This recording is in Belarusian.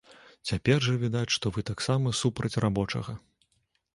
Цяпер жа відаць, што вы таксама супраць рабочага.